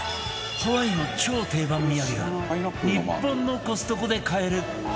ハワイの超定番土産が日本のコストコで買える